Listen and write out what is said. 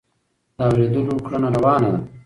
د اورېدلو کړنه روانه ده.